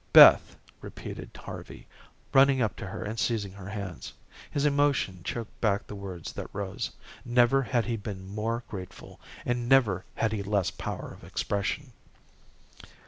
"Beth," repeated Harvey, running up to her and seizing her hands. His emotion choked back the words that rose. Never had he been more grateful, and never had he less power of expression.